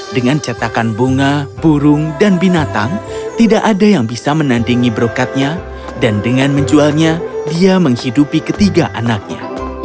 dengan cetakan bunga burung dan binatang tidak ada yang bisa menandingi berukatnya dan dengan menjualnya dia menghidupi ketiga anaknya